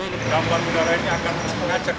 gambar udara ini akan mengajakkan